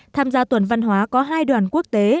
tham gia tuần văn hóa có hai đoàn quốc tế